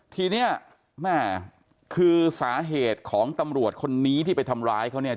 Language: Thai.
ทีนี้แม่คือสาเหตุของตำรวจคนนี้ที่ไปทำร้ายเขาเนี่ย